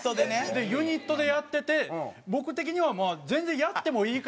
でユニットでやってて僕的には全然やってもいいかなみたいな。